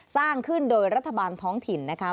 สร้างขึ้นโดยรัฐบาลท้องถิ่นนะคะ